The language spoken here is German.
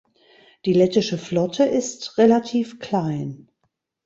Die lettische Flotte ist relativ klein.